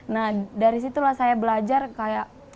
nah dari situlah saya belajar kayak